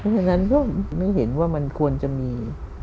เพราะฉะนั้นไม่เห็นว่ามันควรจะมี